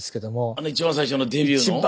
あの一番最初のデビューの？